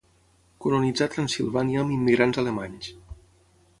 Colonitzà Transsilvània amb immigrants alemanys.